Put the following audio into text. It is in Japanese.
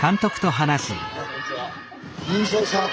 こんにちは。